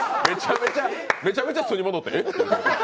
めちゃくちゃ素に戻ってる。